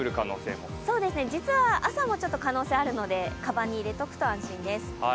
実は朝もちょっと可能性があるのでかばんに入れておくと安心です。